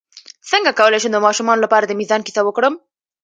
څنګه کولی شم د ماشومانو لپاره د میزان کیسه وکړم